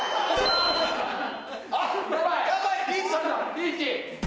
リーチ！